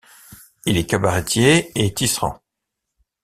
Il est cabaretier et tisserand.